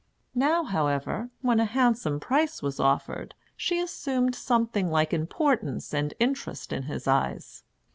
Now, however, when a handsome price was offered, she assumed something like importance and interest in his eyes.